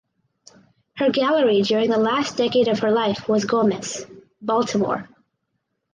Her gallery during the last decade of her life was Gomez (Baltimore).